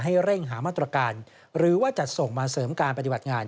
ให้เร่งหามาตรการหรือว่าจัดส่งมาเสริมการปฏิบัติงาน